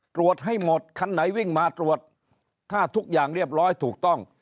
ตรวจให้หมดคันไหนวิ่งมาตรวจถ้าทุกอย่างเรียบร้อยถูกต้อง